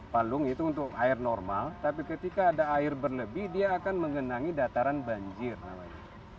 palung itu untuk air normal tapi ketika ada air berlebih dia akan mengenangi dataran banjir namanya